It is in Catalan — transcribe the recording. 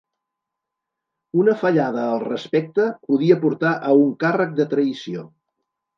Una fallada al respecte podia portar a un càrrec de traïció.